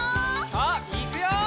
さあいくよ！